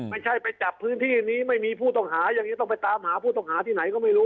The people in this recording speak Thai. ไม่ใช่ไปจับพื้นที่นี้ไม่มีผู้ต้องหาอย่างนี้ต้องไปตามหาผู้ต้องหาที่ไหนก็ไม่รู้